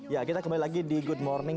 ya kita kembali lagi di good morning